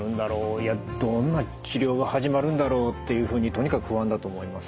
いやどんな治療が始まるんだろう？っていうふうにとにかく不安だと思います。